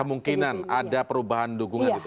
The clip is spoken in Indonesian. kemungkinan ada perubahan dukungan itu